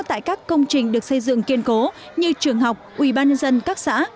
tại các công trình được xây dựng kiên cố như trường học ubnd các xã